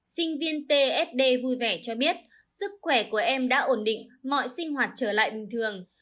sinh viên tsd vui vẻ cho biết sức khỏe của em đã ổn định mọi sinh hoạt trở lại bình thường